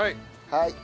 はい。